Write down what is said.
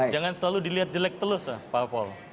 jangan selalu dilihat jelek terus pak pol